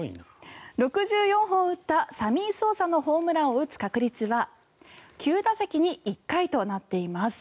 ６４本打ったサミー・ソーサのホームランを打つ確率は９打席に１回となっています。